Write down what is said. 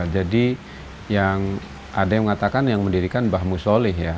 jadi yang ada yang mengatakan yang mendirikan bahmusyolih ya